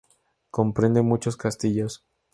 Comprende muchos castillos.